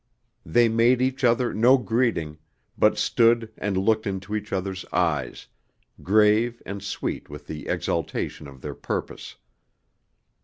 They made each other no greeting, but stood and looked into each other's eyes, grave and sweet with the exaltation of their purpose.